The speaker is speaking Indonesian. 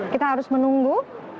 kita harus menunggu